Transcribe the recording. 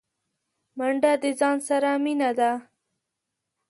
منډه د ځان سره مینه ده